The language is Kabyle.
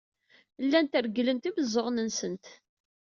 Llant regglent imeẓẓuɣen-nsent.